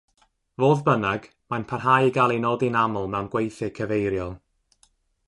Fodd bynnag, mae'n parhau i gael ei nodi'n aml mewn gweithiau cyfeiriol.